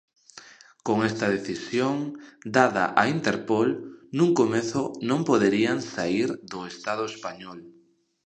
Con esta decisión, dada á Interpol, nun comezo non poderían saír do Estado español.